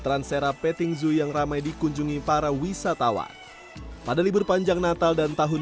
transera petting zoo yang ramai dikunjungi para wisatawan pada libur panjang natal dan tahun